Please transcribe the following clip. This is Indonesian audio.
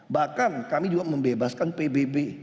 bahkan kami juga membebaskan pbb